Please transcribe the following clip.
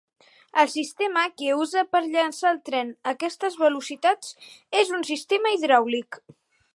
El sistema que usa per llançar el tren a aquestes velocitats és un sistema hidràulic.